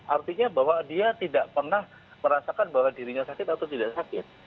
artinya bahwa dia tidak pernah merasakan bahwa dirinya sakit atau tidak sakit